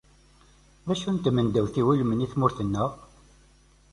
D acu n tmendawt i iwulmen i tmurt-nneɣ?